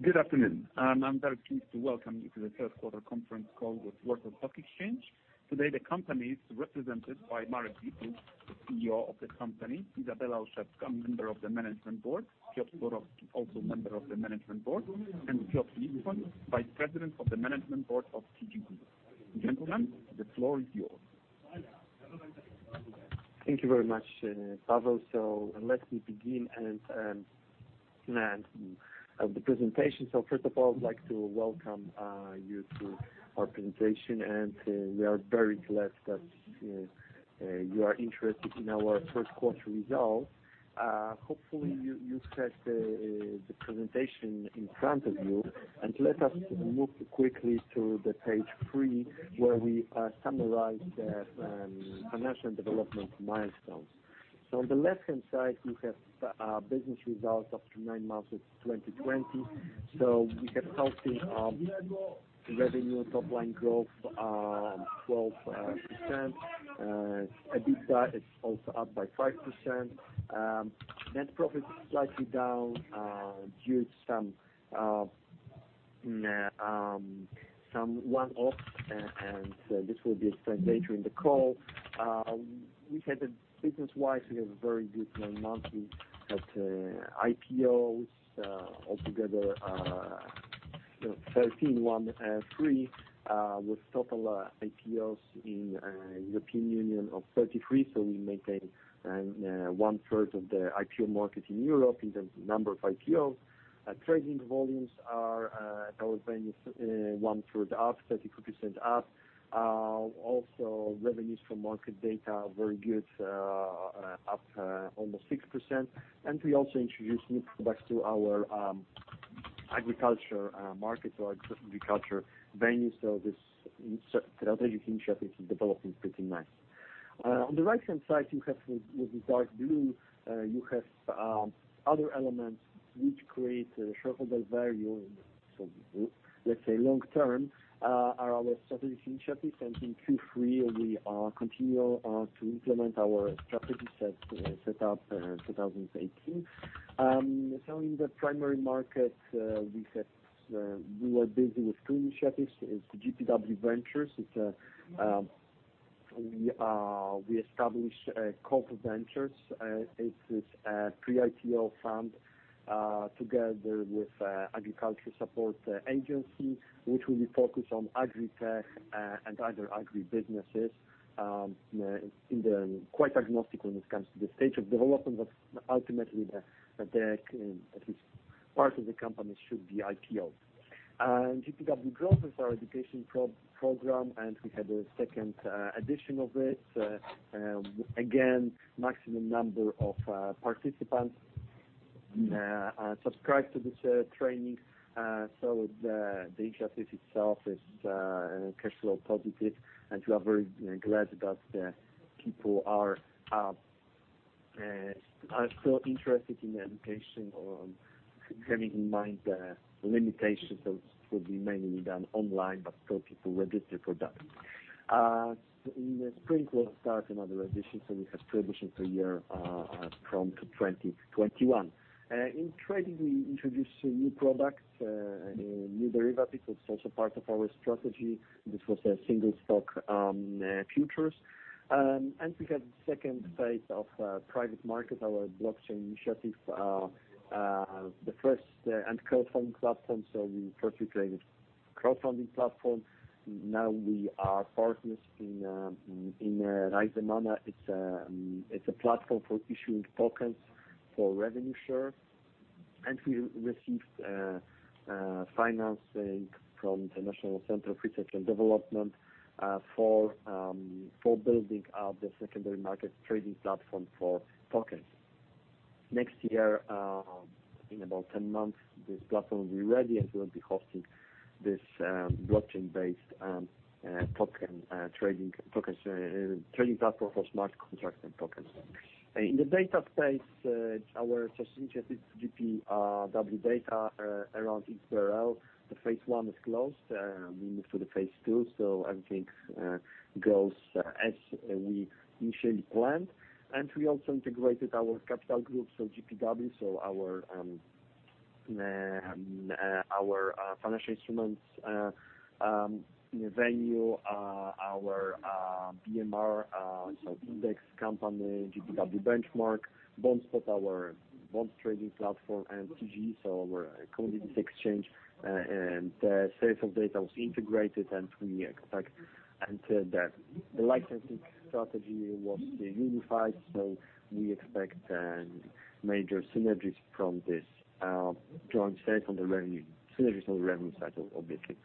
Good afternoon. I'm very pleased to welcome you to the third quarter conference call with Warsaw Stock Exchange. Today, the company is represented by Marek Dietl, the CEO of the company, Izabela Olszewska, member of the Management Board, Piotr Borowski, also member of the Management Board, and Piotr Listwoń, Vice President of the Management Board of TGE. Gentlemen, the floor is yours. Thank you very much, Paweł. So let me begin the presentation. So first of all, I'd like to welcome you to our presentation, and we are very glad that you are interested in our first quarter results. Hopefully, you have the presentation in front of you, and let us move quickly to page three, where we summarize the financial development milestones. So on the left-hand side, you have business results up to nine months of 2020. So we have healthy revenue and top line growth, 12%. EBITDA is also up by 5%. Net profit is slightly down due to some one-off, and this will be explained later in the call. We had a business-wise, we had a very good nine months. We had IPOs altogether, you know, 13, with total IPOs in European Union of 33. So we maintain one third of the IPO market in Europe in terms of number of IPOs. Trading volumes are our venue one third up, 32% up. Also, revenues from market data are very good, up almost 6%. And we also introduced new products to our agriculture market or agriculture venue. So this strategic initiative is developing pretty nice. On the right-hand side, you have with, with the dark blue, you have other elements which create a shareholder value. So let's say long term are our strategic initiatives, and in Q3 we continue to implement our strategy set up in 2018. In the primary market we were busy with two initiatives, the GPW Ventures. It's a corporate venture, it is a pre-IPO fund together with Agriculture Support Agency, which will be focused on agritech and other agribusinesses. It's quite agnostic when it comes to the stage of development, but ultimately the at least part of the company should be IPO. And GPW Growth is our education program, and we had a second edition of it. Again, maximum number of participants subscribed to this training. So the initiative itself is cash flow positive, and we are very glad that people are so interested in education or having in mind the limitations it will be mainly done online, but still people register for that. In the spring, we'll start another edition, so we have two editions a year from 2021. In trading, we introduced new products and new derivatives. It's also part of our strategy. This was a single stock futures. And we had the second phase of Private Market, our blockchain initiative, the first and crowdfunding platform. So we first created crowdfunding platform. Now we are partners in [Raiser market]. It's a platform for issuing tokens for revenue share, and we received financing from the National Center for Research and Development for building out the secondary market trading platform for tokens. Next year, in about ten months, this platform will be ready, and we will be hosting this blockchain-based token trading platform for smart contracts and tokens. In the data space, our first initiative, GPW Data, around XBRL. The phase one is closed, we move to the phase two, so everything goes as we initially planned. And we also integrated our capital group, so GPW, so our financial instruments venue, our BMR, so index company, GPW Benchmark, BondSpot, our bond trading platform, and TGE, so our commodities exchange, and sales of data was integrated, and we expect, and the licensing strategy was unified, so we expect major synergies from this joint sales on the revenue, synergies on the revenue side, obviously.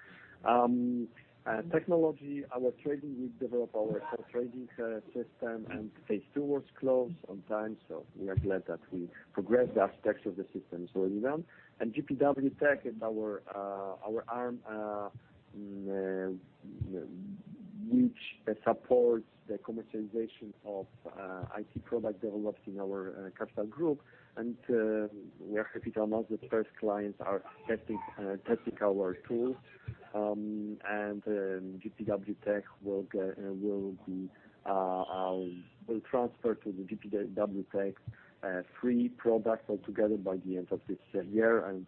Technology, our trading, we develop our trading system, and phase two was closed on time, so we are glad that we progressed the architecture of the system smoothly well. GPW Tech is our arm which supports the commercialization of IT product developed in our capital group, and we are happy to announce the first clients are testing our tools. GPW Tech will transfer to the GPW Tech three products altogether by the end of this year, and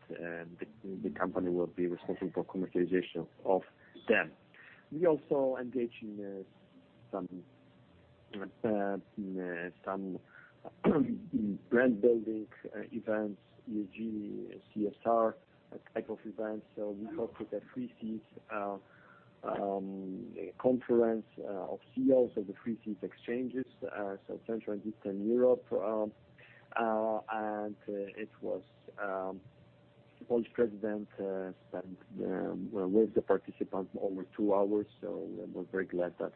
the company will be responsible for commercialization of them. We also engage in some brand building events, e.g., CSR type of events. We cooperate with Three Seas conference of CEOs of the Three Seas Exchanges so Central and Eastern Europe. It was Polish President spent with the participant over two hours. So we're very glad that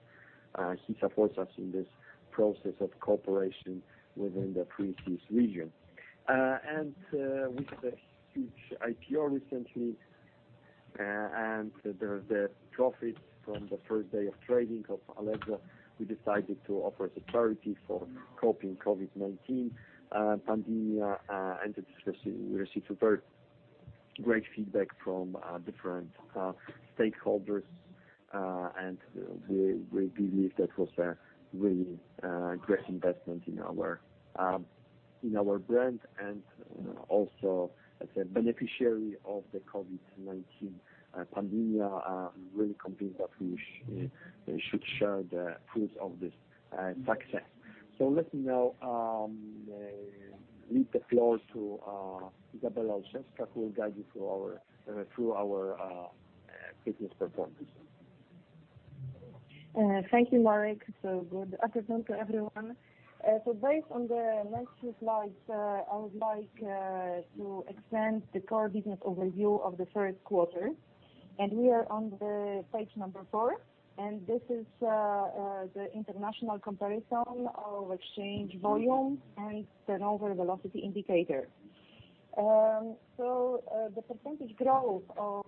he supports us in this process of cooperation within the Three Seas region. And with the huge IPO recently and the profit from the first day of trading of Allegro, we decided to offer the charity for coping COVID-19 pandemia. And we received a very great feedback from different stakeholders. And we believe that was a really great investment in our brand and also as a beneficiary of the COVID-19 pandemia. We're really convinced that we should share the fruits of this success. So let me now leave the floor to Izabela Olszewska, who will guide you through our business performance. Thank you, Marek. So good afternoon to everyone. So based on the next few slides, I would like to extend the core business overview of the first quarter. And we are on the page number four, and this is the international comparison of exchange volume and turnover velocity indicator. So the percentage growth of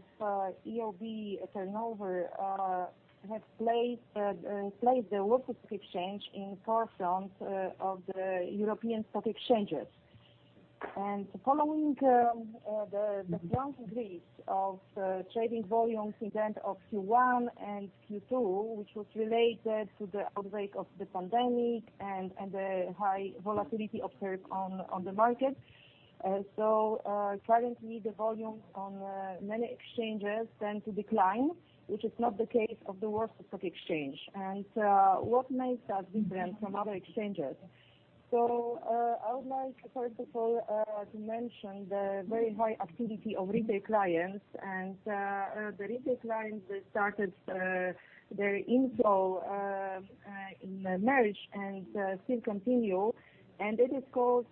EoD turnover has placed the Warsaw Stock Exchange in forefront of the European stock exchanges. And following the strong decrease of trading volumes in end of Q1 and Q2, which was related to the outbreak of the pandemic and the high volatility observed on the market. So currently, the volumes on many exchanges tend to decline, which is not the case of the Warsaw Stock Exchange. What makes us different from other exchanges? I would like, first of all, to mention the very high activity of retail clients. The retail clients, they started their inflow in March and still continue. It is caused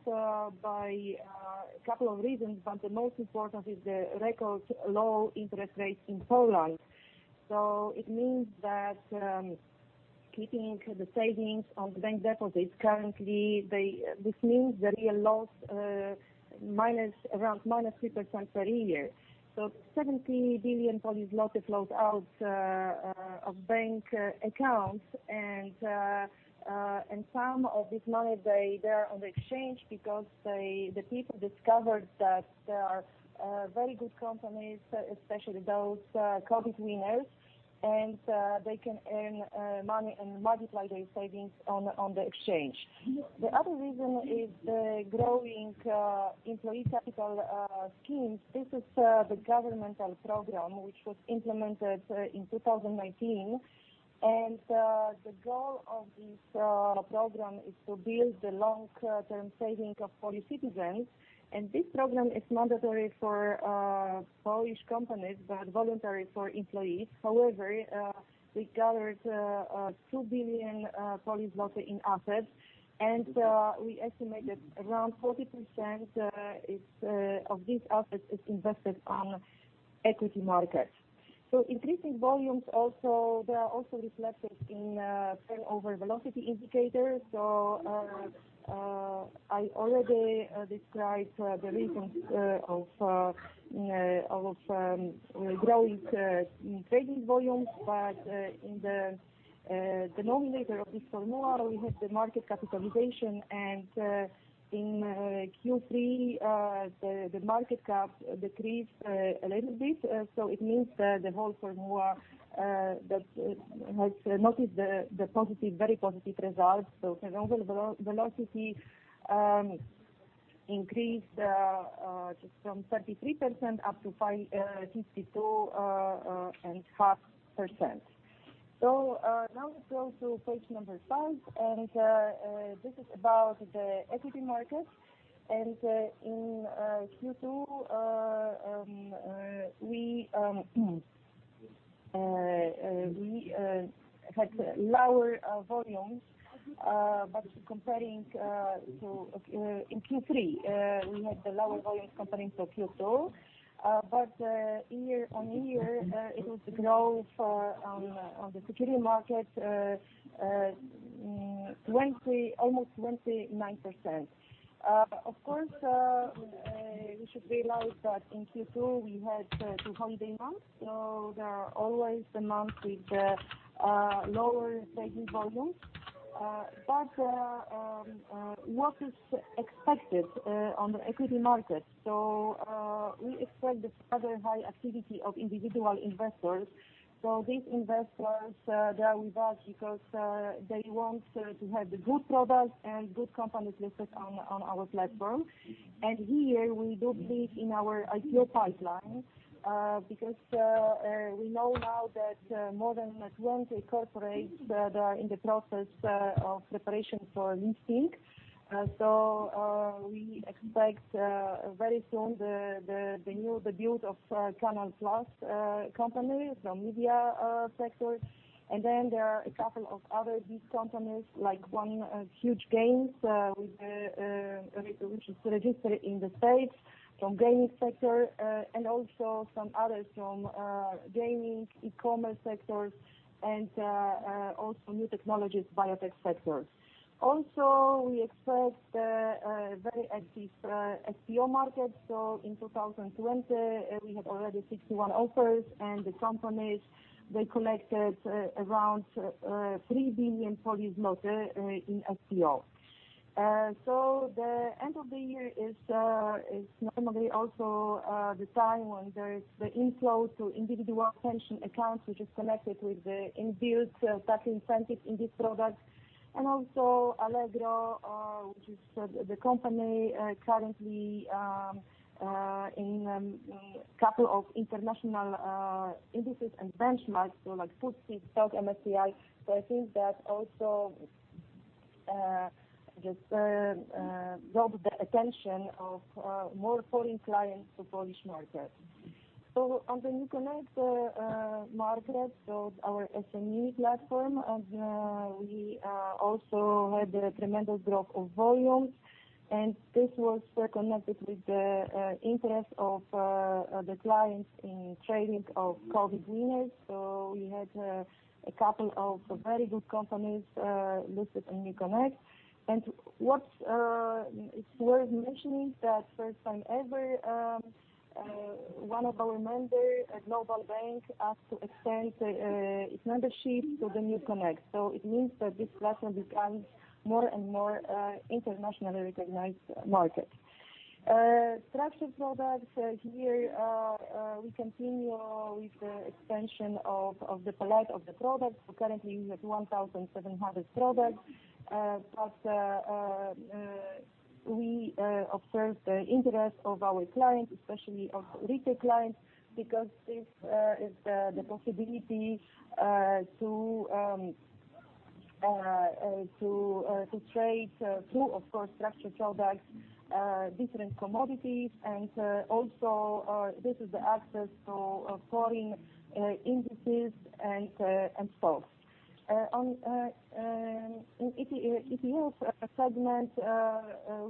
by a couple of reasons, but the most important is the record low interest rates in Poland. It means that keeping the savings on bank deposits, currently, this means the real loss, minus around 3% per year. PLN 70 billion flows out of bank accounts, and some of this money they are on the exchange because the people discovered that there are very good companies, especially those COVID winners, and they can earn money and multiply their savings on the exchange. The other reason is the growing Employee Capital Schemes. This is the governmental program, which was implemented in two thousand and nineteen. The goal of this program is to build the long-term savings of Polish citizens. This program is mandatory for Polish companies, but voluntary for employees. However, we gathered 2 billion in assets, and we estimated around 40% of these assets is invested on equity markets. So increasing volumes also, they are also reflected in turnover velocity indicators. So, I already described the reasons of growing in trading volumes. But, in the numerator of this formula, we have the market capitalization. And, in Q3, the market cap decreased a little bit. So it means that the whole formula that has noticed the positive, very positive results. So turnover velocity increased from 33% up to 52.5%. So, now let's go to page number five, and this is about the equity market. In Q2, we had lower volumes, but comparing to Q3, we had the lower volumes comparing to Q2. But year on year, it was growth on the securities market, almost 29%. Of course, we should realize that in Q2, we had two holiday months, so there are always the months with lower trading volumes. But what is expected on the equity market? We expect the further high activity of individual investors. These investors they are with us because they want to have the good products and good companies listed on our platform. Here, we do believe in our IPO pipeline, because we know now that more than 20 corporates they are in the process of preparation for listing. So we expect very soon the new debut of CANAL+ company from media sector. And then there are a couple of other big companies, like one Huuuge Games with which is registered in the States from gaming sector, and also some others from gaming, e-commerce sectors and also new technologies, biotech sector. Also, we expect very active FPO market. So in 2020 we had already 61 offers, and the companies they collected around 3 billion in FPO. So the end of the year is normally also the time when there is the inflow to individual pension accounts, which is connected with the inbuilt tax incentive in this product. And also Allegro, which is the company currently in couple of international indices and benchmarks, so like FTSE, STOXX, MSCI. So I think that also just draw the attention of more foreign clients to Polish market. So on the NewConnect market, so our SME platform, and we also had a tremendous growth of volume. And this was connected with the interest of the clients in trading of COVID winners. So we had a couple of very good companies listed on NewConnect. What it's worth mentioning that for the first time ever, one of our member, a global bank, asked to extend its membership to the NewConnect. So it means that this platform becomes more and more internationally recognized market. Structured products here, we continue with the expansion of the palette of the products. So currently, we have 1,700 products. But we observe the interest of our clients, especially of retail clients, because this is the possibility to trade through, of course, structured products, different commodities. And also, this is the access to foreign indices and stocks. In the ETF segment,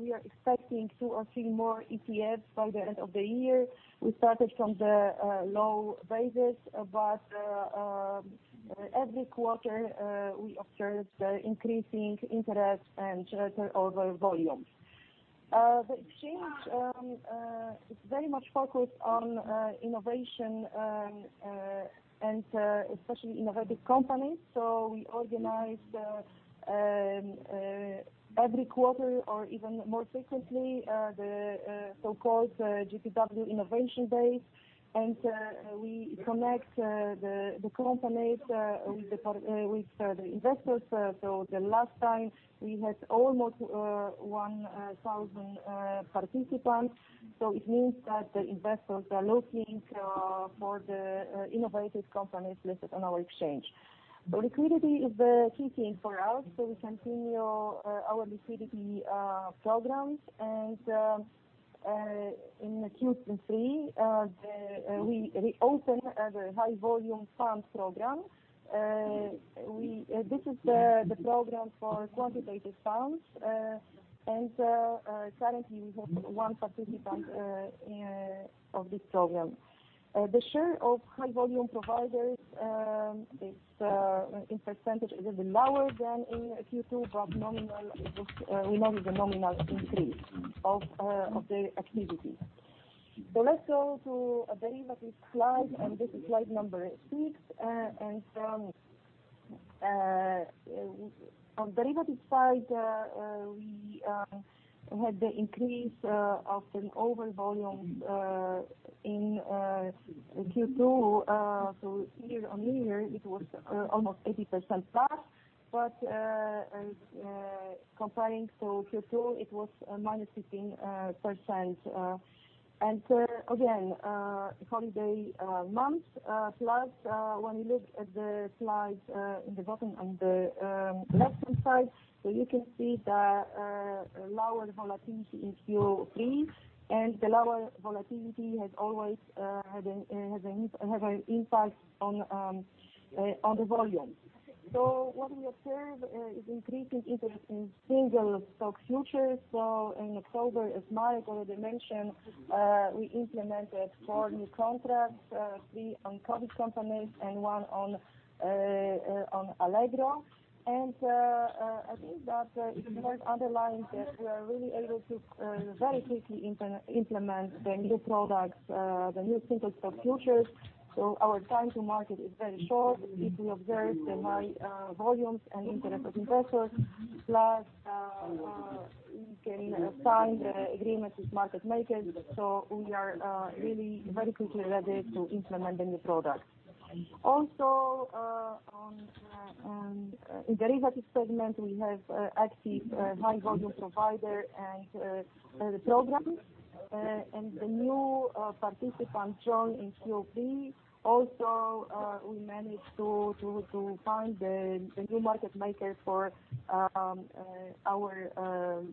we are expecting two or three more ETFs by the end of the year. We started from the low basis, but every quarter we observed the increasing interest and turnover volumes. The exchange is very much focused on innovation and especially innovative companies. We organize every quarter or even more frequently the so-called GPW Innovation Day. We connect the companies with the investors, so the last time we had almost 1,000 participants. It means that the investors are looking for the innovative companies listed on our exchange. The liquidity is the key thing for us, so we continue our liquidity programs. In Q3, we open the High Volume Provider program. This is the program for quantitative funds. Currently, we have one participant of this program. The share of High Volume Providers is in percentage a little bit lower than in Q2, but nominal, it was, we noted the nominal increase of the activity. Let's go to a derivatives slide, and this is slide number six. On derivatives side, we had the increase of overall volume in Q2. Year-on-year, it was almost 80%+, but comparing to Q2, it was -15%. And again, holiday month plus when you look at the slide in the bottom on the left-hand side, so you can see the lower volatility in Q3. And the lower volatility has always had an impact on the volume. So what we observe is increasing interest in single stock futures. So in October, as Marek already mentioned, we implemented four new contracts, three on quoted companies and one on Allegro. And I think that it's worth underlining that we are really able to very quickly implement the new products, the new single stock futures. So our time to market is very short if we observe the high volumes and interest of investors, plus we can sign the agreement with market makers. So we are really very quickly ready to implement the new product. Also in derivative segment, we have active High Volume Provider and programs, and the new participant joined in Q3. Also we managed to find the new market maker for our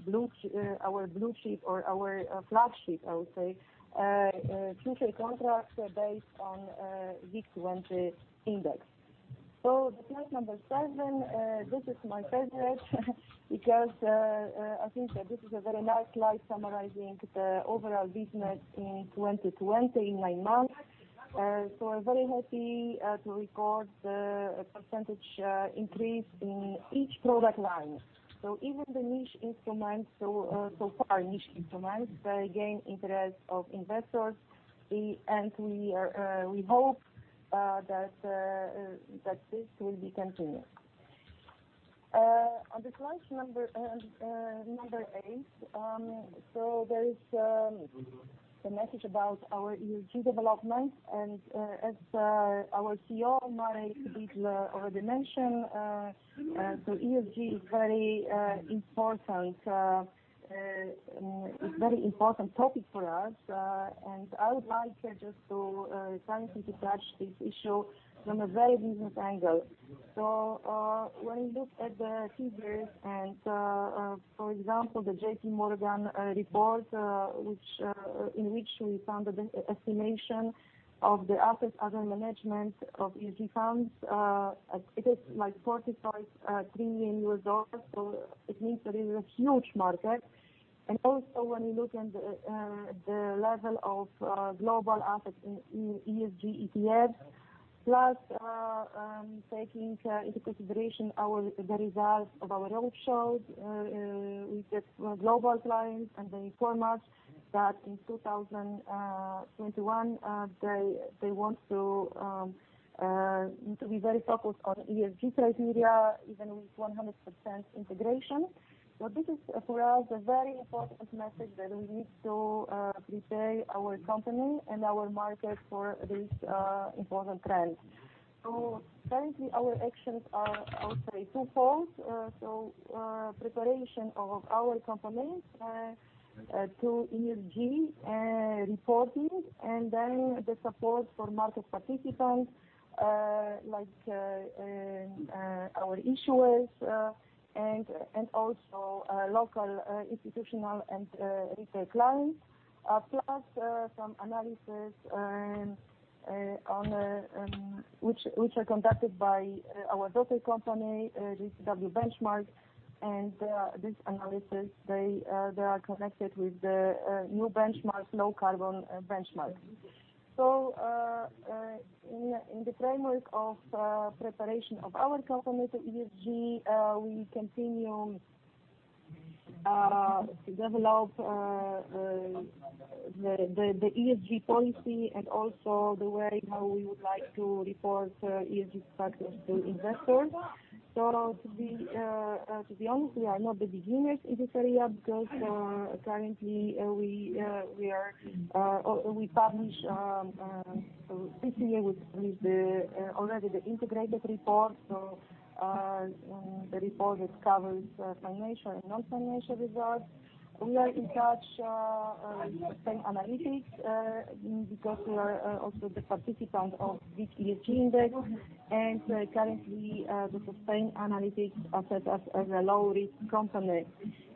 blue chip or our flagship, I would say, future contract based on WIG20 index. So the slide number seven, this is my favorite, because I think that this is a very nice slide summarizing the overall business in 2020, in nine months. So I'm very happy to record the percentage increase in each product line. So even the niche instruments so far gain interest of investors. And we are, we hope, that this will be continued. On the slide number eight, so there is the message about our ESG development, and as our CEO, Marek Dietl already mentioned, so ESG is very important. It's very important topic for us. And I would like just to kindly touch this issue from a very business angle. When you look at the figures and, for example, the JPMorgan report, in which we found the estimation of the assets under management of ESG funds, it is like 45 trillion dollars. It means that it is a huge market. Also when you look at the level of global assets in ESG ETFs, plus taking into consideration the results of our roadshow with the global clients, and they inform us that in 2021, they want to be very focused on ESG criteria, even with 100% integration. This is, for us, a very important message that we need to prepare our company and our market for this important trend. So currently, our actions are, I would say, twofold. So, preparation of our company to ESG reporting, and then the support for market participants, like, our issuers, and also local institutional and retail clients. Plus, some analysis on which are conducted by our daughter company, GPW Benchmark. And, this analysis, they are connected with the new benchmarks, low carbon benchmarks. So, in the framework of preparation of our company to ESG, we continue to develop the ESG policy and also the way how we would like to report ESG factors to investors. To be honest, we are not beginners in this area, because currently we publish so this year with already the integrated report. The report that covers financial and non-financial results. We are in touch Sustainalytics because we are also the participants of this ESG index. And currently Sustainalytics assesses as a low-risk company.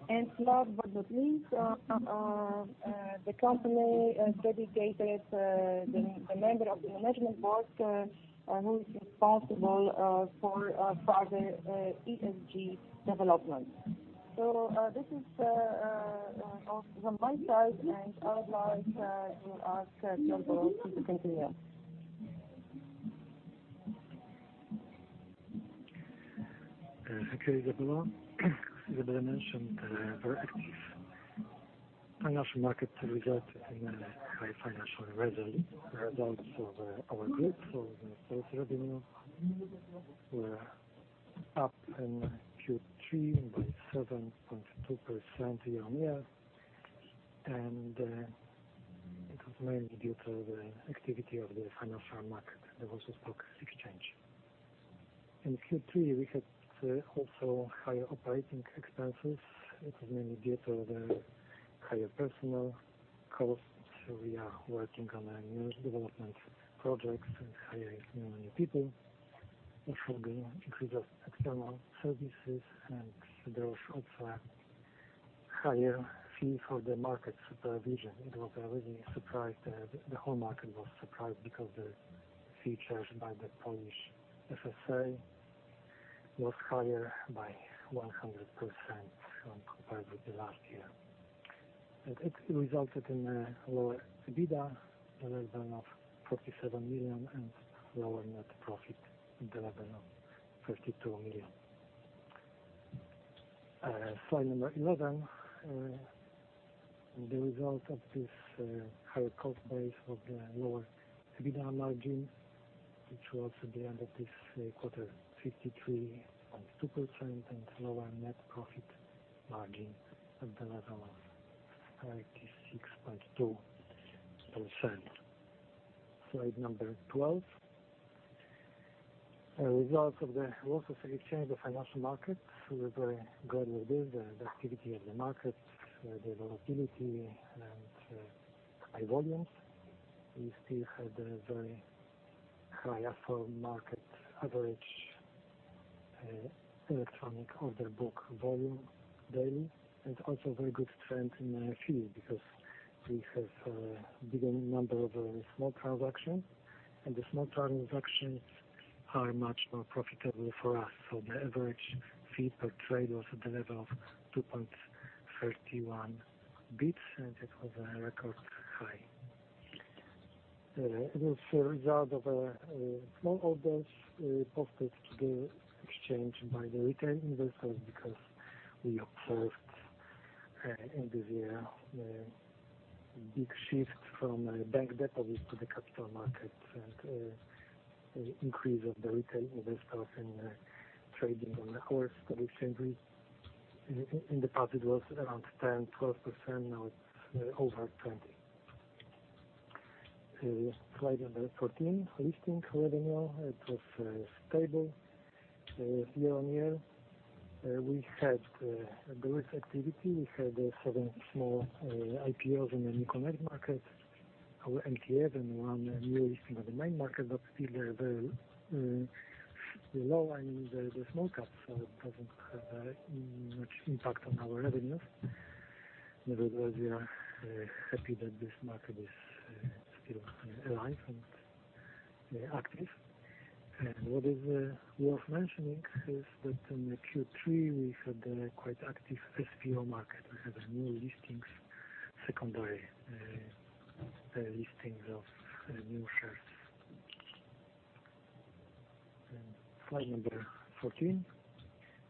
And last but not least, the company has dedicated the member of the Management Board who is responsible for further ESG development. This is from my side, and I would like to ask Piotr to continue. Okay, Izabela. Izabela mentioned very active financial market resulted in high financial result, results of our group. The sales revenue were up in Q3 by 7.2% year-on-year. It was mainly due to the activity of the financial market, the Warsaw Stock Exchange. In Q3, we had also higher operating expenses. It was mainly due to the higher personnel costs. We are working on a new development projects and hiring new people. Also, the increase of external services, and there was also a higher fee for the market supervision. It was a real surprise. The whole market was surprised because the fees by the Polish KNF was higher by 100% when compared with the last year. It resulted in a lower EBITDA at the level of 47 million, and lower net profit at the level of PLN 32 million. Slide 11. The result of this higher cost base of the lower EBITDA margin, which was at the end of this quarter, 53.2%, and lower net profit margin at the level of 66.2%. Slide 12. Results of the Warsaw Stock Exchange, the financial markets were very good with this, the activity of the market, the volatility and high volumes. We still had a very high above market average electronic order book volume daily, and also very good trend in fees, because we have bigger number of small transactions. And the small transactions are much more profitable for us. The average fee per trade was at the level of 2.31 basis points, and it was a record high. It was a result of small orders posted to the exchange by the retail investors, because we observed in this year big shift from bank deposits to the capital markets, and increase of the retail investors in trading on the Warsaw Stock Exchange. In the past, it was around 10%-12%, now it's over 20%. Slide number 14. Listing revenue, it was stable. Year-on-year, we had good activity. We had 7 small IPOs in the NewConnect market, our MTF, and one new listing on the main market. But still, very low, I mean, the small cap, so it doesn't have much impact on our revenues. Nevertheless, we are happy that this market is still alive and active, and what is worth mentioning is that in the Q3, we had a quite active FPO market. We had new listings, secondary listings of new shares, and slide number 14.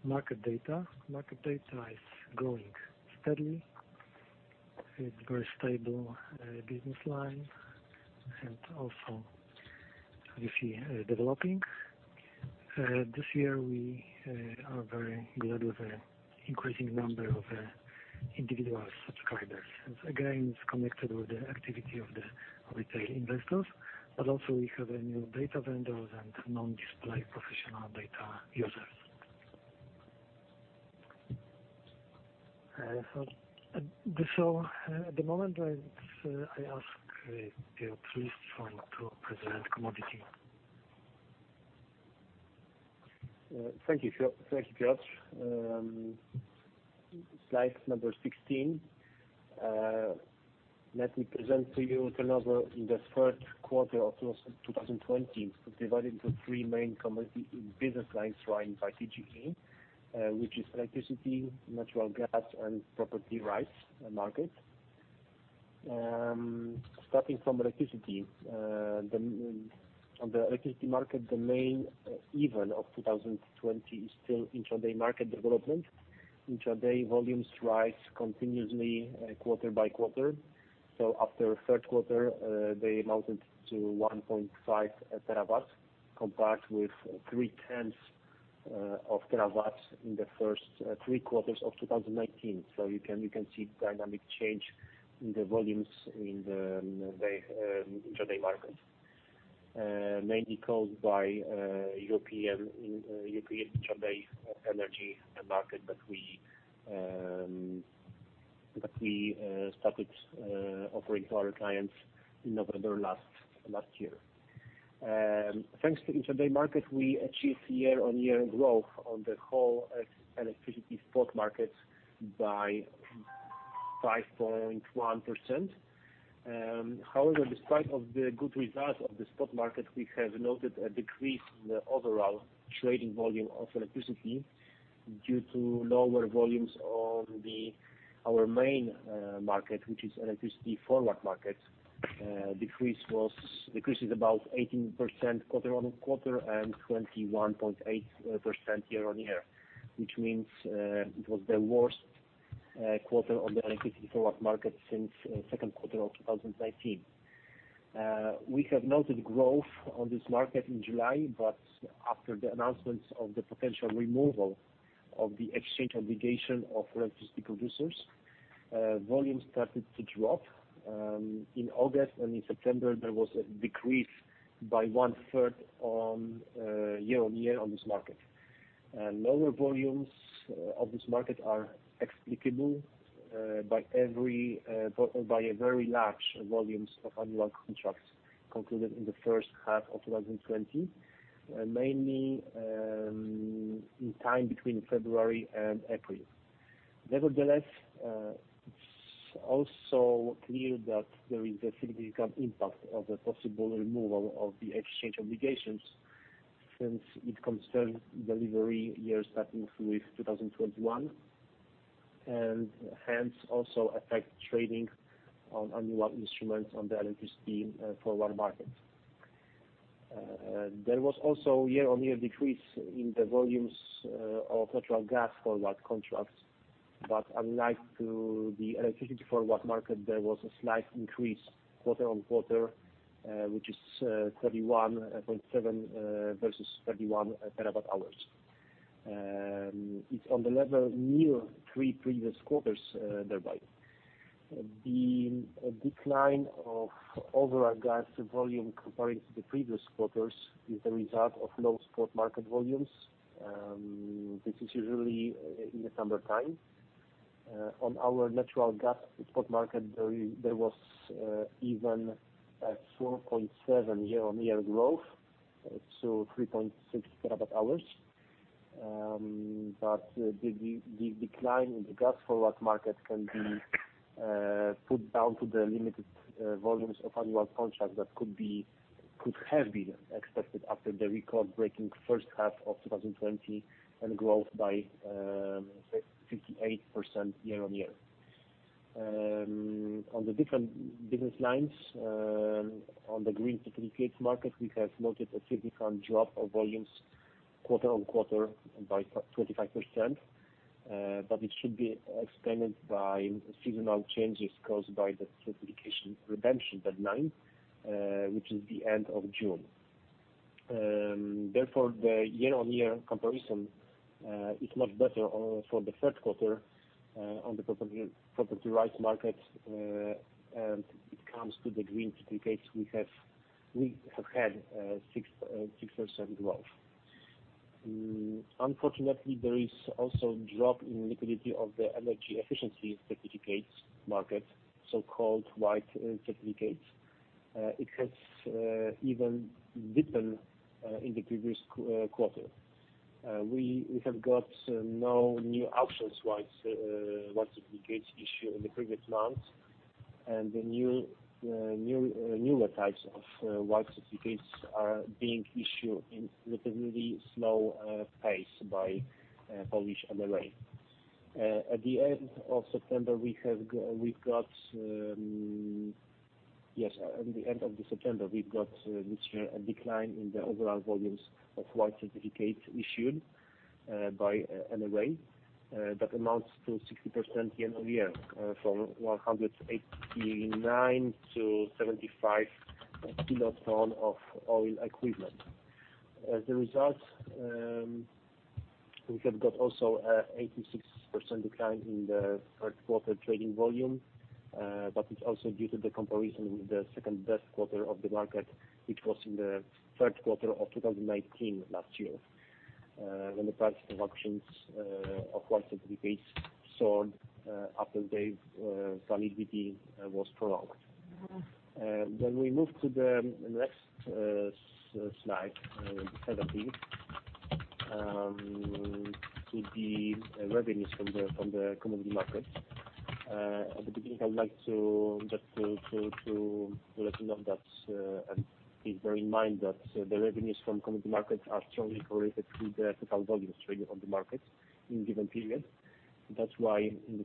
Market data. Market data is growing steadily. It's very stable business line, and also you see developing. This year we are very glad with the increasing number of individual subscribers. Since, again, it's connected with the activity of the retail investors, but also we have new data vendors and non-display professional data users, so at the moment, I ask Piotr Listwoń to present commodity. Thank you, Piotr. Slide number sixteen. Let me present to you turnover in the third quarter of 2020. It's divided into three main commodity in business lines run by TGE, which is electricity, natural gas, and property rights market. Starting from electricity. On the electricity market, the main event of 2020 is still intraday market development. Intraday volumes rise continuously, quarter by quarter. So after third quarter, they amounted to 1.5 TW, compared with 3/10 of terawatts in the first three quarters of 2019. So you can see dynamic change in the volumes in the intraday market. Mainly caused by European intraday energy market that we started offering to our clients in November last year. Thanks to intraday market, we achieved year-on-year growth on the whole electricity spot market by 5.1%. However, despite of the good results of the spot market, we have noted a decrease in the overall trading volume of electricity due to lower volumes on our main market, which is electricity forward market. Decrease is about 18% quarter on quarter, and 21.8% year-on-year. Which means, it was the worst quarter on the electricity forward market since second quarter of 2019. We have noted growth on this market in July, but after the announcements of the potential removal of the exchange obligation of electricity producers, volumes started to drop. In August and in September, there was a decrease by one third on year on year on this market. And lower volumes of this market are explicable by a very large volumes of annual contracts concluded in the first half of 2020, mainly in time between February and April. Nevertheless, it's also clear that there is a significant impact of the possible removal of the exchange obligations, since it concerns delivery years starting with 2021, and hence also affect trading on annual instruments on the electricity forward market. There was also year-on-year decrease in the volumes of natural gas forward contracts, but unlike to the electricity forward market, there was a slight increase quarter on quarter, which is 31.7 versus 31 terawatt hours. It's on the level near three previous quarters, the decline of overall gas volume comparing to the previous quarters is the result of low spot market volumes. This is usually in the summer time. On our natural gas spot market, there was even a 4.7 year-on-year growth, so 3.6 TWh. But the decline in the gas forward market can be put down to the limited volumes of annual contracts that could have been expected after the record-breaking first half of 2020, and growth by 658% year-on-year. On the different business lines, on the green certificates market, we have noted a significant drop of volumes quarter on quarter by 25%. But it should be explained by seasonal changes caused by the certification redemption deadline, which is the end of June. Therefore, the year-on-year comparison is much better for the third quarter on the property rights market, and it comes to the green certificates we have had 6% growth. Unfortunately, there is also a drop in liquidity of the energy efficiency certificates market, so-called white certificates. It has even dipped in the previous quarter. We have got no new white certificates issued in the previous months, and the newer types of white certificates are being issued in relatively slow pace by Polish authority. At the end of September, we've got this a decline in the overall volumes of white certificates issued by URE that amounts to 60% year-on-year from 189 kiloton to 75 kiloton of oil equivalent. As a result, we have got also an 86% decline in the third quarter trading volume, but it's also due to the comparison with the second best quarter of the market, which was in the third quarter of 2019 last year, when the price of auctions of white certificates soared after the validity was prolonged. When we move to the next slide 17 to the revenues from the commodity market. At the beginning, I'd like to just to let you know that and keep in mind that the revenues from commodity markets are strongly correlated to the total volume traded on the market in a given period. That's why in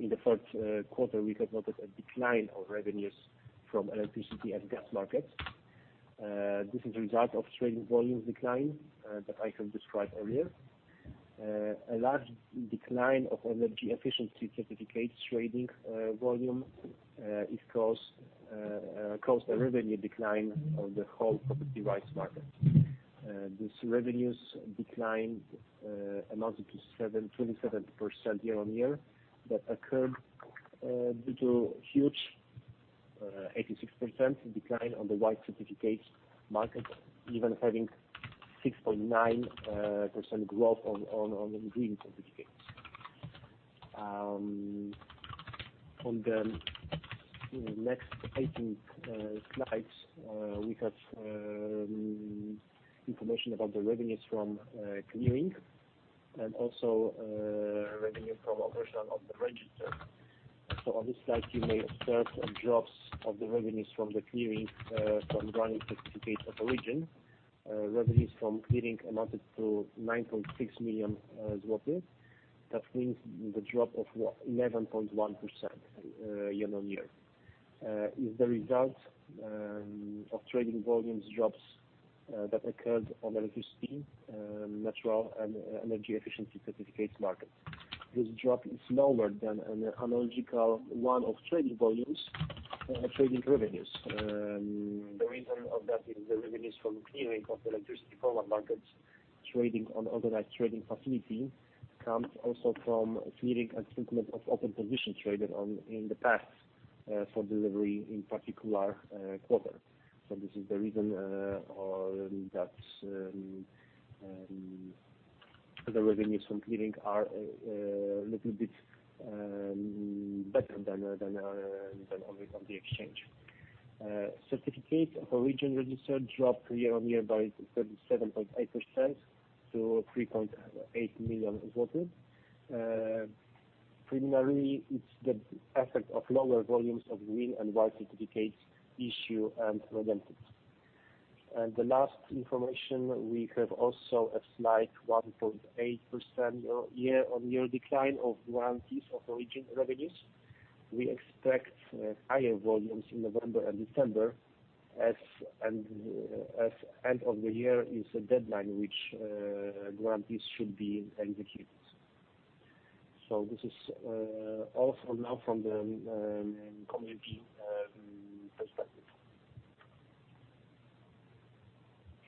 the third quarter, we have noted a decline of revenues from electricity and gas markets. This is a result of trading volume decline that I have described earlier. A large decline of energy efficiency certificates trading volume is caused a revenue decline of the whole property rights market. This revenues declined amounted to 27% year-on-year, that occurred due to huge 86% decline on the white certificates market, even having 6.9% growth on the green certificates. On the next 18 slides, we have information about the revenues from clearing and also revenue from operation of the register. On this slide, you may observe drops of the revenues from the clearing from Guarantees of Origin. Revenues from clearing amounted to 9.6 million zlotys. That means the drop of 11.1%, year-on-year, is the result of trading volumes drops that occurred on electricity natural and energy efficiency certificates market. This drop is lower than an analogous one of trading volumes trading revenues. The reason of that is the revenues from clearing of the electricity forward markets, trading on organized trading facility, comes also from clearing and treatment of open positions traded on in the past for delivery in particular quarter. This is the reason that the revenues from clearing are little bit better than on the exchange. Certificate of Origin Register dropped year-on-year by 37.8% to 3.8 million. Preliminarily, it's the effect of lower volumes of green and white certificates issued and redemptions. The last information, we have also a slight 1.8% year-on-year decline of Guarantees of Origin revenues. We expect higher volumes in November and December, as end of the year is a deadline which guarantees should be executed. So this is all for now from the commodity.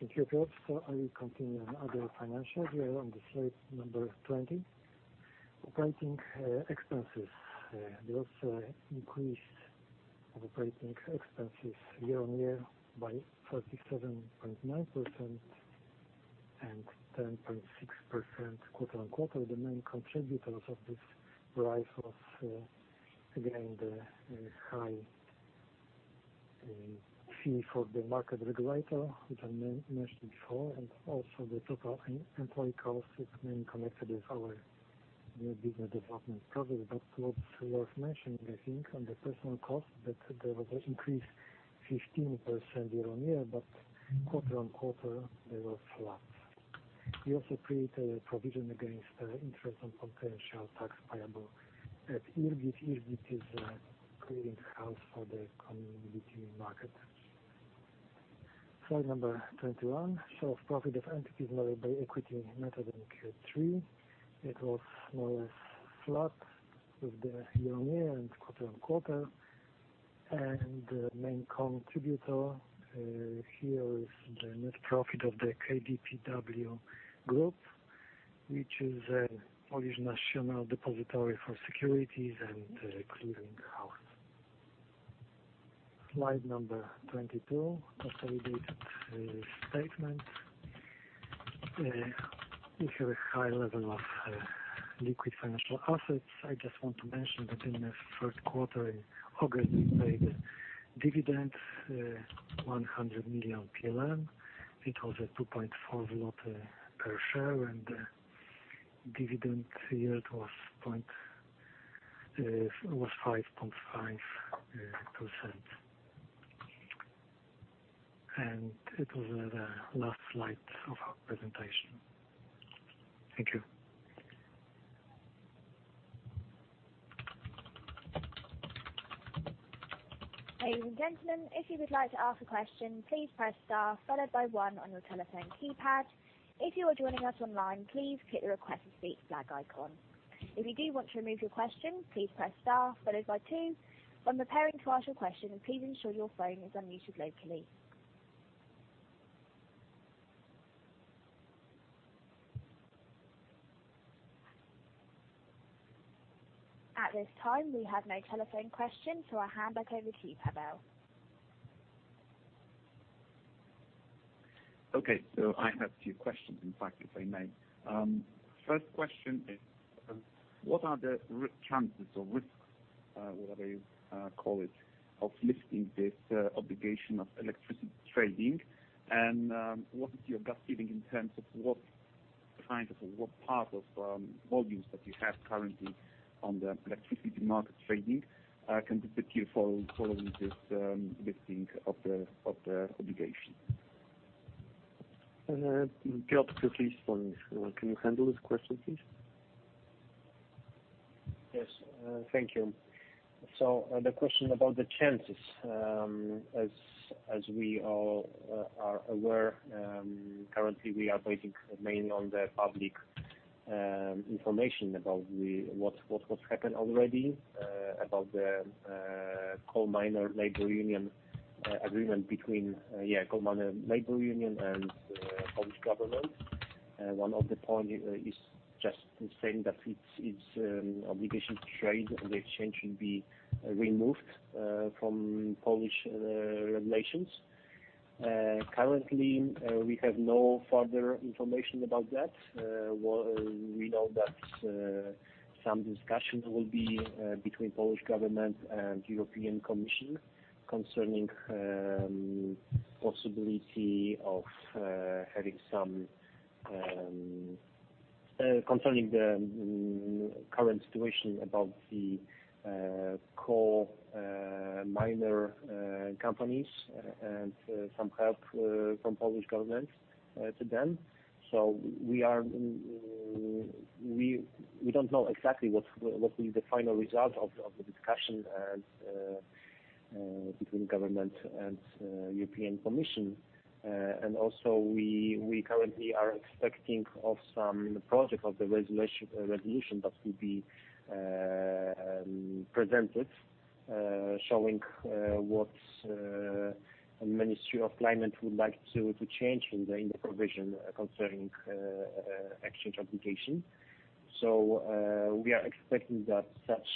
Thank you, Piotr. I will continue on other financials here on the slide number 20. Operating expenses, there was increase of operating expenses year-on-year by 37.9% and 10.6% quarter-on-quarter. The main contributors of this rise was, again, the high fee for the market regulator, which I mentioned before, and also the total employee cost is mainly connected with our new business development project. That was worth mentioning, I think, on the personnel cost, that there was an increase 15% year-on-year, but quarter-on-quarter, they were flat. We also create a provision against interest on potential tax payable at IRGiT. IRGiT is clearing house for the commodity market. Slide number 21. Profit of entities measured by equity method in Q3, it was more or less flat with the year-on-year and quarter-on-quarter. The main contributor here is the net profit of the KDPW Group, which is a Polish national depository for securities and clearing house. Slide number 22, consolidated statement. We have a high level of liquid financial assets. I just want to mention that in the third quarter, in August, we paid dividend 100 million PLN. It was 2.4 zloty per share, and dividend yield was 5.5%. It was the last slide of our presentation. Thank you. Ladies and gentlemen, if you would like to ask a question, please press star followed by one on your telephone keypad. If you are joining us online, please click the Request to Speak flag icon. If you do want to remove your question, please press star followed by two. When preparing to ask your question, please ensure your phone is unmuted locally. At this time, we have no telephone questions, so I'll hand back over to you, Paweł. Okay. So I have two questions, in fact, if I may. First question is, what are the chances or risks, whatever you call it, of lifting this obligation of electricity trading? And what is your gut feeling in terms of what kind of, or what part of volumes that you have currently on the electricity market trading can be put here following this lifting of the obligation? Piotr Listwoń, please, can you handle this question, please? Yes, thank you, so the question about the chances, as we all are aware, currently we are waiting mainly on the public information about the... what's happened already, about the coal miner labor union agreement between, yeah, coal miner labor union and Polish government. One of the point is just saying that it's obligation to trade on the exchange should be removed from Polish regulations. Currently, we have no further information about that. What we know that some discussions will be between Polish government and European Commission concerning possibility of having some concerning the current situation about the coal miner companies and some help from Polish government to them. So we don't know exactly what will be the final result of the discussion and between government and European Commission. And also, we currently are expecting of some project of the regulation that will be presented, showing what the Ministry of Climate would like to change in the provision concerning exchange obligation. So we are expecting that such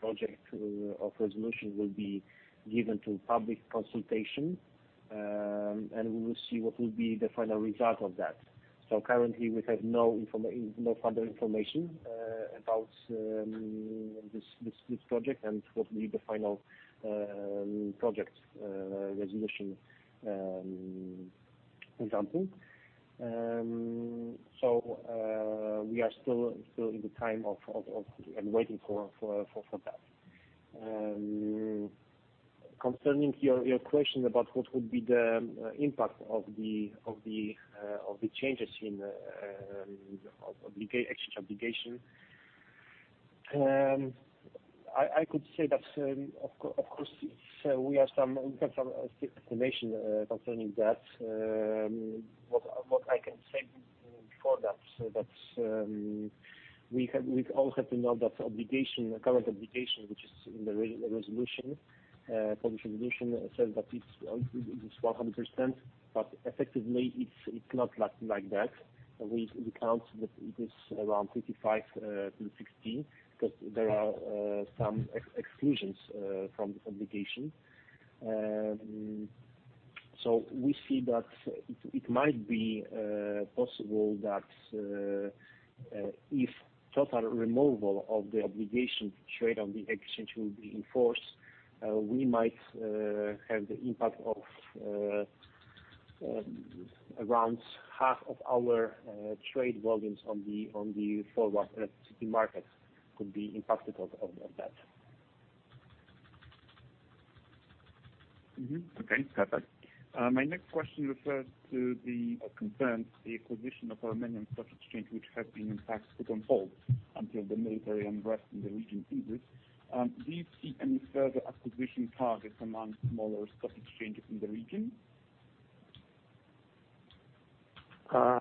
project of resolution will be given to public consultation, and we will see what will be the final result of that. So currently, we have no further information about this project and what will be the final project resolution example. So, we are still in the time of waiting for that. Concerning your question about what would be the impact of the changes in exchange obligation, I could say that, of course, we have some estimation concerning that. What I can say so that's, we have, we all have to know that obligation, current obligation, which is in the resolution, Polish resolution says that it's 100%, but effectively it's not like that. We count that it is around 55-60, because there are some exclusions from this obligation. So we see that it might be possible that if total removal of the obligation to trade on the exchange will be enforced, we might have the impact of around half of our trade volumes on the forward electricity market could be impacted of that. My next question refers to the concerns, the acquisition of Armenian Stock Exchange, which has been in fact put on hold until the military unrest in the region eases. Do you see any further acquisition targets among smaller stock exchanges in the region? I'll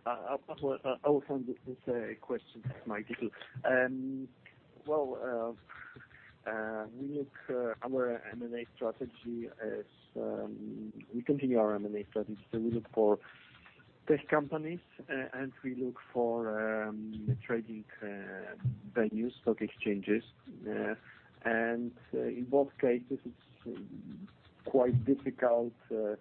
handle this question. This is Marek. Well, we look our M&A strategy as we continue our M&A strategy. So we look for tech companies and we look for trading venues, stock exchanges. And in both cases, it's quite difficult to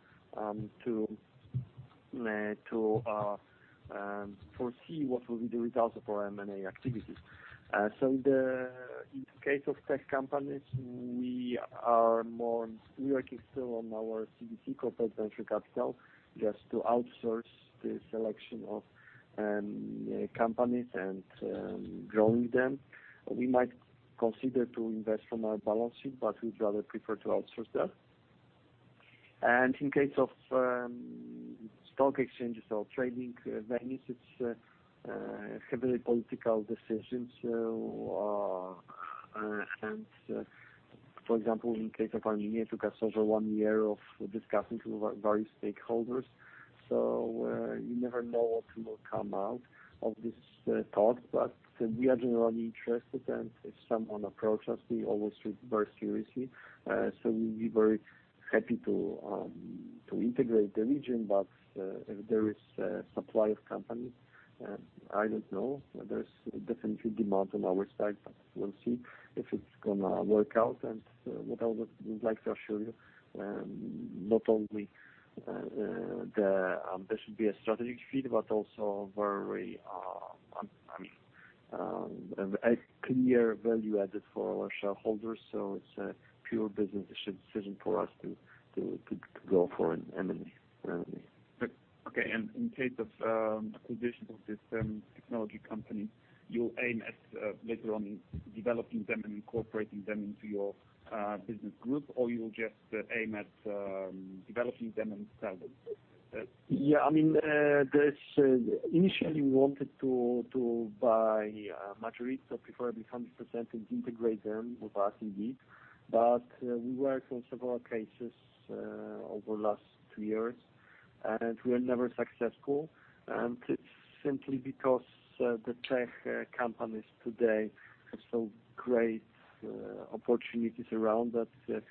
foresee what will be the results of our M&A activities. So, in case of tech companies, we are more... We're working still on our CVC, corporate venture capital, just to outsource the selection of companies and growing them. We might consider to invest from our balance sheet, but we'd rather prefer to outsource that. And in case of stock exchanges or trading venues, it's a heavily political decisions. For example, in case of Armenia, took us over one year of discussing with various stakeholders. You never know what will come out of this talk, but we are generally interested, and if someone approaches us, we always very seriously. We'll be very happy to integrate the region, but if there is a supply of companies, I don't know. There's definitely demand on our side, but we'll see if it's gonna work out. What I would like to assure you, not only this should be a strategic fit, but also very, a clear value added for our shareholders. It's a pure business decision for us to go for an M&A. Okay, and in case of acquisition of this technology company, you'll aim at later on developing them and incorporating them into your business group, or you'll just aim at developing them and sell them? Yeah. I mean, this initially, we wanted to buy majority, so preferably 100% and integrate them with us indeed. But, we worked on several cases over the last two years, and we are never successful. And it's simply because the tech companies today have so great opportunities around that, it's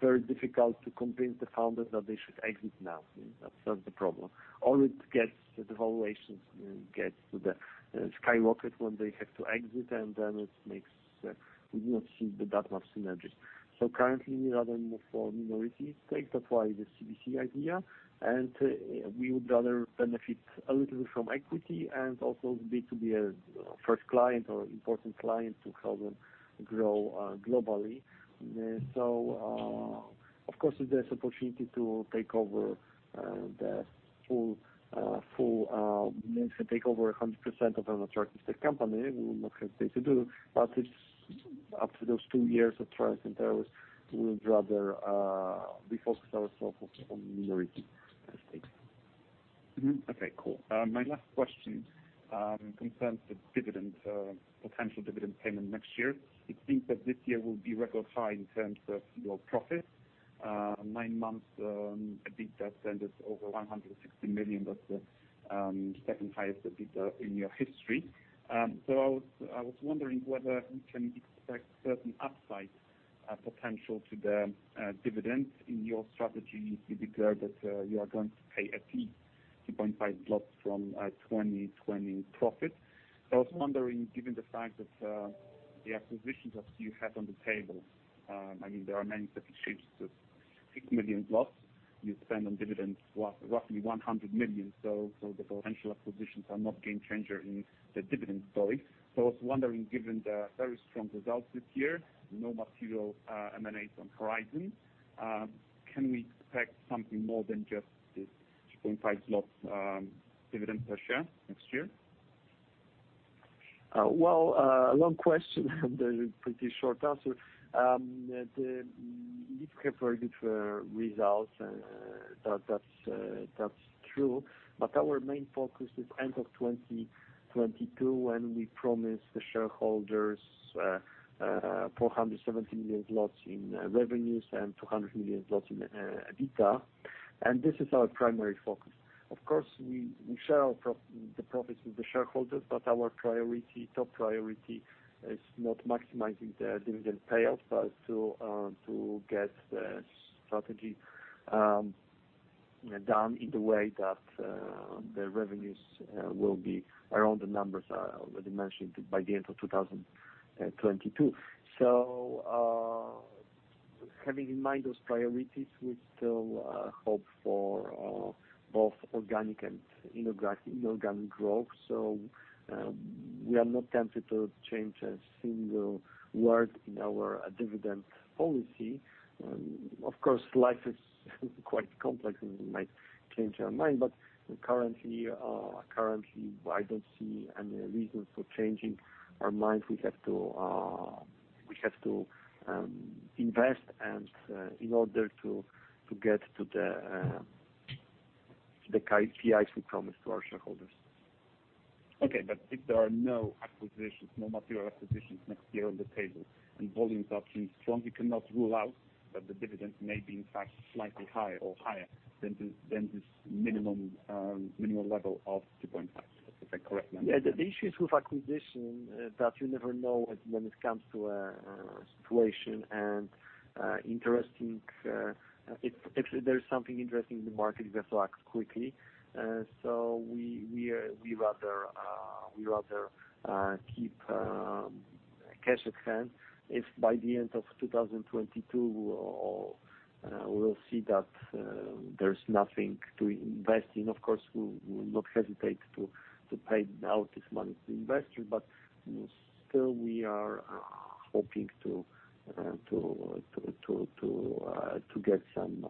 very difficult to convince the founders that they should exit now. That's not the problem. Or it gets the valuations get to the skyrocket when they have to exit, and then it makes we not see that much synergies. So currently, we rather move for minority stake, that's why the CVC idea, and we would rather benefit a little bit from equity and also be a first client or important client to help them grow globally. So, of course, if there's opportunity to take over the full means to take over 100% of an attractive tech company, we will not hesitate to do. But it's up to those two years of trials, and we would rather we focus ourselves on minority stake. Mm-hmm. Okay, cool. My last question concerns the dividend potential dividend payment next year. It seems that this year will be record high in terms of your profit. Nine months EBITDA spend is over 160 million, that's the second highest EBITDA in your history. So I was wondering whether we can expect certain upside potential to the dividend in your strategy. You declare that you are going to pay at least 2.5 from 2020 profit. I was wondering, given the fact that the acquisitions that you have on the table, I mean, there are many stock exchanges, 6 million you spend on dividends, roughly 100 million. So the potential acquisitions are not game changer in the dividend story. So I was wondering, given the very strong results this year, no material, M&A on horizon, can we expect something more than just this 2.5 zlotys dividend per share next year? Well, a long question and a pretty short answer. We have very good results. That's true. But our main focus is the end of 2022, when we promised the shareholders 470 million zlotys in revenues and 200 million zlotys in EBITDA, and this is our primary focus. Of course, we share the profits with the shareholders, but our top priority is not maximizing the dividend payout, but to get the strategy done in the way that the revenues will be around the numbers I already mentioned by the end of 2022. Having in mind those priorities, we still hope for both organic and inorganic growth. We are not tempted to change a single word in our dividend policy. Of course, life is quite complex, and we might change our mind, but currently, I don't see any reason for changing our mind. We have to invest in order to get to the KPIs we promised to our shareholders. Okay, but if there are no acquisitions, no material acquisitions next year on the table, and volumes options strongly cannot rule out that the dividend may be, in fact, slightly high or higher than this minimum level of two point five. Is that correct then? Yeah, the issues with acquisition, that you never know when it comes to a situation and interesting. If there is something interesting in the market, we have to act quickly. So we rather keep cash at hand. If by the end of 2022, we'll see that there's nothing to invest in, of course, we will not hesitate to pay out this money to investors. But still, we are hoping to get some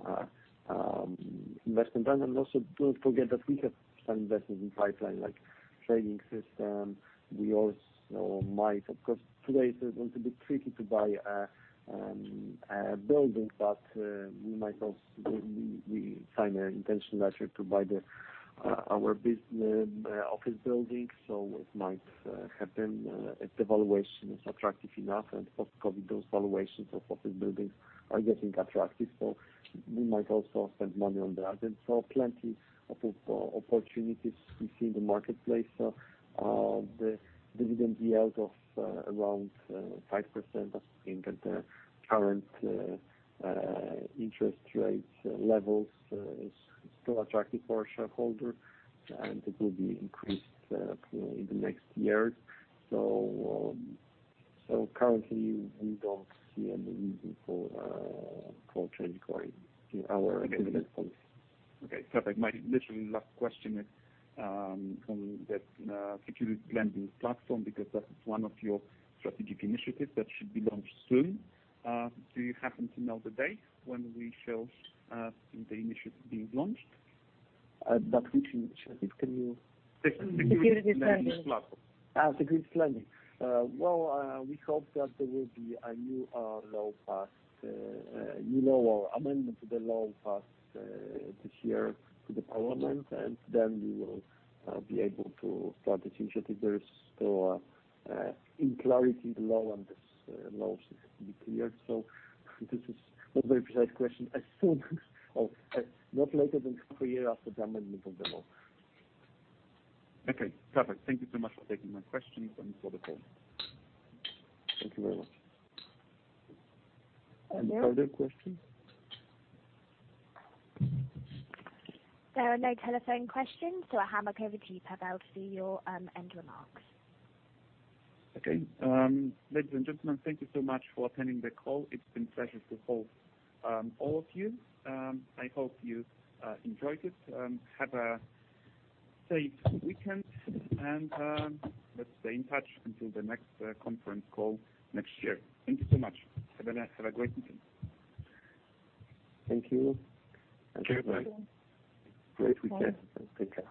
investment done. And also, don't forget that we have some investments in pipeline, like trading system. We also might... Of course, today it is going to be tricky to buy buildings, but we might also sign an intention letter to buy our business office building, so it might happen if the valuation is attractive enough. And of course, those valuations of office buildings are getting attractive, so we might also spend money on that. And so plenty of opportunities we see in the marketplace. So, the dividend yield of around 5% I think at the current interest rates levels is still attractive for our shareholders, and it will be increased in the next years. So, currently, we don't see any reason for changing our dividend policy. Okay. Perfect. My literally last question is, on the securities lending platform, because that is one of your strategic initiatives that should be launched soon. Do you happen to know the date when we shall the initiative being launched? But which initiative? Can you- The securities lending platform. The grain lending. Well, we hope that there will be a new law or amendment to the law passed this year to the parliament, and then we will be able to start this initiative. There is still uncertainty in the law, and this law should be clear. So this is not a very precise question. I think, not later than half a year after the amendment of the law. Okay, perfect. Thank you so much for taking my questions and for the call. Thank you very much. Any further questions? There are no telephone questions, so I hand back over to you, Paweł, for your end remarks. Okay. Ladies and gentlemen, thank you so much for attending the call. It's been a pleasure to host all of you. I hope you enjoyed it. Have a safe weekend, and let's stay in touch until the next conference call next year. Thank you so much. Have a great weekend. Thank you. Cheers. Bye. Great weekend and take care.